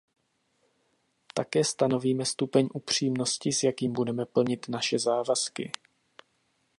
Také stanovíme stupeň upřímnosti, s jakým budeme plnit naše závazky.